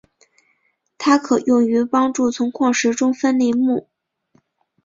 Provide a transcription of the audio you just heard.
它可用于帮助从矿石中分离钼。